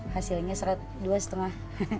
hasilnya dua setengah